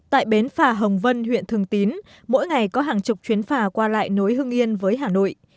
tại bến phà hồng vân huyện thường tín mỗi ngày có hàng chục chuyến phà qua lại nối hương yên với hà nội